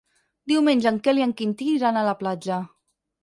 Diumenge en Quel i en Quintí iran a la platja.